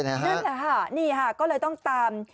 นั่นแหละค่ะนี่ค่ะก็เลยต้องตาม